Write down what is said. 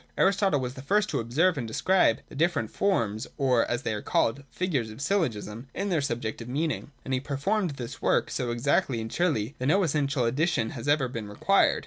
Aristotle was the first to observe and describe the dif ferent forms, or, as they are called, figures of syllogism, in their subjective meaning : and he performed his work so exactly and surely, that no essential addition has ever been required.